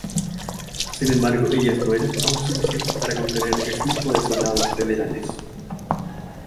Sin embargo, ellas no eran aún suficientes para contener el flujo de soldados federales.